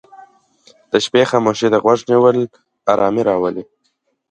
د شپې خاموشي ته غوږ نیول آرامي راولي.